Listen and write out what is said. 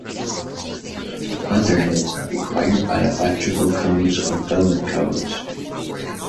Weatherheads are required by electrical codes or building codes.